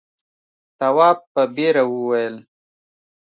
تواب په بېره وویل.